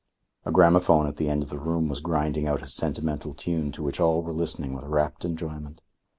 A gramophone at the end of the room was grinding out a sentimental tune to which all were listening with rapt enjoyment.